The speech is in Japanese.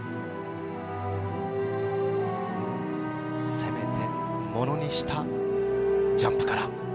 攻めてものにしたジャンプから。